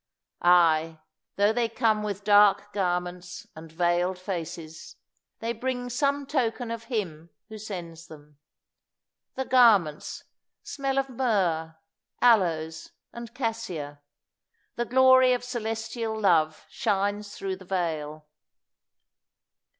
Ay, though they come with dark garments and veiled faces, they bring some token of Him who sends them. The garments "smell of myrrh, aloes, and cassia;" the glory of celestial love shines through the veil.